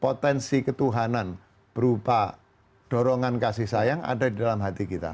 potensi ketuhanan berupa dorongan kasih sayang ada di dalam hati kita